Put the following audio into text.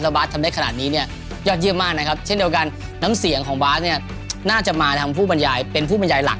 แล้วบาสทำได้ขนาดนี้ยอดเยี่ยมมากนะครับเช่นเดียวกันน้ำเสียงของบาสน่าจะมาเป็นผู้บรรยายหลัก